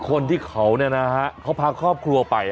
คนที่เขาเนี่ยนะฮะเขาพาครอบครัวไป